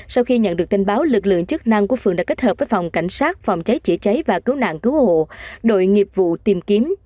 sau khi nhận được tin báo lực lượng chức năng của phường đã kết hợp với phòng cảnh sát phòng cháy chữa cháy và cứu nạn cứu hộ đội nghiệp vụ tìm kiếm